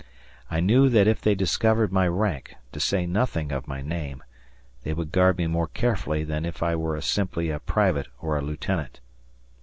I knew that if they discovered my rank, to say nothing of my name, they would guard me more carefully than if I were simply a private or a lieutenant.